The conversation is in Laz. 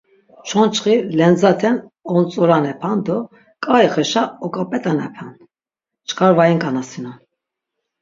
Çonçxi lendzaten ontzuranepan do ǩaixeşa oǩapet̆anepan, çkar va inǩanasinon.